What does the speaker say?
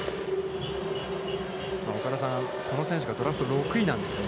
岡田さん、この選手がドラフト６位なんですよね。